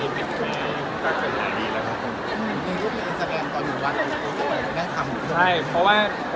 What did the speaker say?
ดินเลือดหนุนเตี้ยงไปก็คือไม่ดีแล้วครับ